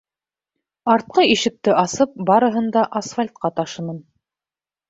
Артҡы ишекте асып, барыһын да асфальтҡа ташыным.